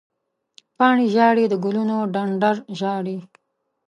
پاڼې ژاړې، د ګلونو ډنډر ژاړې